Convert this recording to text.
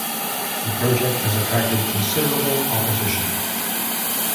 The project has attracted considerable opposition.